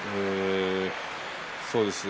そうですね